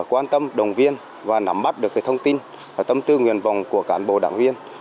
quan tâm đồng viên và nắm bắt được thông tin tâm tư nguyện vọng của cán bộ đảng viên